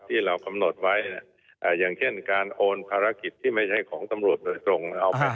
ที่เรากำหนดไว้อย่างเช่นการโอนภารกิจที่ไม่ใช่ของตำรวจโดยตรง